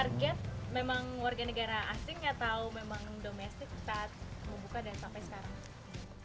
target memang warga negara asing atau memang domestik saat membuka dan sampai sekarang